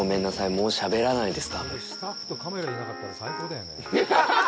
もうしゃべらないです。